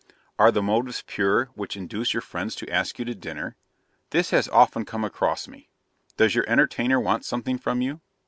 Are the motives PURE which induce your friends to ask you to dinner? This has often come across me. Does your entertainer want something from you?